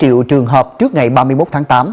một bốn triệu trường hợp trước ngày ba mươi một tháng tám